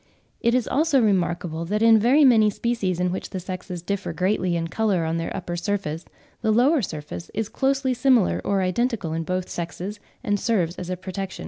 It is also remarkable that in very many species in which the sexes differ greatly in colour on their upper surface, the lower surface is closely similar or identical in both sexes, and serves as a protection.